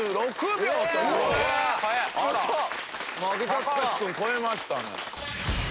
橋君超えましたね。